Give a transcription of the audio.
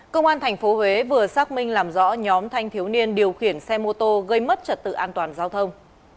công an tp huế vừa xác minh làm rõ nhóm thanh thiếu niên điều khiển xe mô tô gây mất trật tự an toàn giao thông